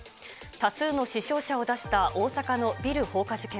多数の死傷者を出した大阪のビル放火事件。